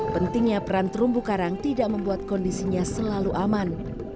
pentingnya peran terumbu karang tidak membuat kondisinya selalu aman